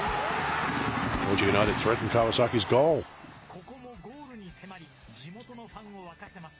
ここもゴールに迫り、地元のファンを沸かせます。